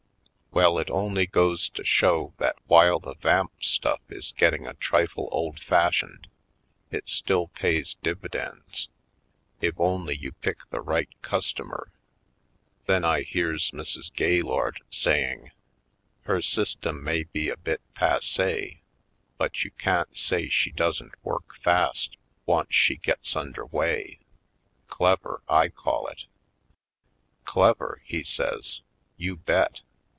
Well, it only goes to show that while the vamp stufif is getting a trifle old fashioned it still pays dividends — if only you pick the right customer." Then I hears Mrs. Gaylord saying; "Her system may be a bit passe but you can't say she doesn't work fast once she gets under wav. Clever, I call it." "Clever?" he says, "you bet!